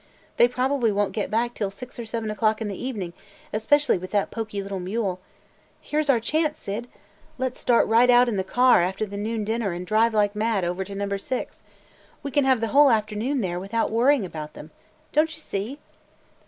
They probably won't get back till six or seven o'clock in the evening especially with that poky little mule. Here 's our chance, Syd! Let 's start right out in the car after the noon dinner and drive like mad over to Number Six. We can have the whole afternoon there without worrying about them. Don't you see?"